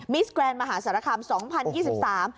มิสแกรนด์มหาศาลคำ๒๐๒๓